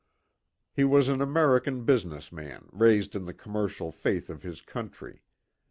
He was an American business man raised in the commercial faith of his country.